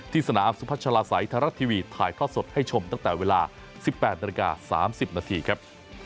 ที่สนามสุพัชลาศัยทาราชทีวีถ่ายเข้าสดให้ชมตั้งแต่เวลา๑๘นาที๓๐นาทีครับ